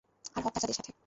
আর hot চাচাদের সাথে!